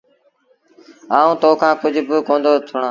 آئوٚݩ تو کآݩ ڪجھ با ڪوندو سُڻآݩ۔